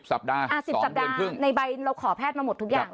๑๐สัปดาห์๒เดือนครึ่งในใบเราขอแพทย์มาหมดทุกอย่าง